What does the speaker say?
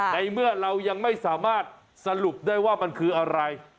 ในเมื่อเรายังไม่สามารถสรุปได้ว่ามันคืออะไร